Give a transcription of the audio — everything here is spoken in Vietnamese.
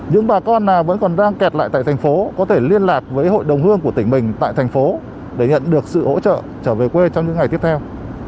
những bà con nào vẫn còn đang kẹt lại tại tp hcm có thể liên lạc với hội đồng hương của tỉnh mình tại tp hcm để nhận được sự hỗ trợ trở về quê trong những ngày tiếp theo